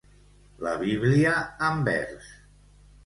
La Bíblia en vers.